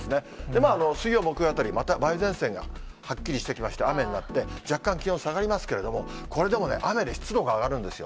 まあ、水曜、木曜あたり、また梅雨前線がはっきりしてきまして、雨になって、若干気温、下がりますけれども、これでもね、雨で湿度が上がるんですよ。